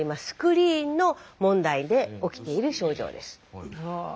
スクリーンの問題で起きている症状です。